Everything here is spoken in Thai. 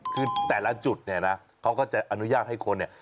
คือแต่ละจุดเนี่ยนะเขาก็จะอนุญาตให้คนเนี่ย